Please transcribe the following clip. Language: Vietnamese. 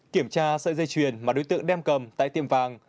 kiểm tra sợi dây chuyền mà đối tượng đem cầm tại tiệm vàng